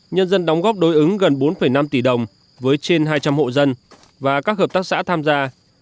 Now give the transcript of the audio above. nhân dân đóng góp đối ứng gần bốn năm tỷ đồng với trên hai trăm linh hộ dân và các hợp tác xã tham gia